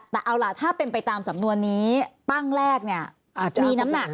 แต่เอาล่ะถ้าเป็นไปตามสำนวนนี้ปั้งแรกเนี่ยอาจจะมีน้ำหนัก